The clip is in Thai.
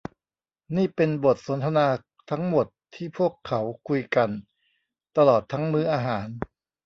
นี่เป็นบทสนทนาทั้งหมดที่พวกเขาคุยกันตลอดทั้งมื้ออาหาร